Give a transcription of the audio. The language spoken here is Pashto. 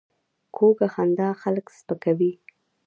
کوږه خندا خلک سپکوي